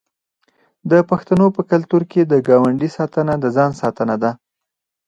د پښتنو په کلتور کې د ګاونډي ساتنه د ځان ساتنه ده.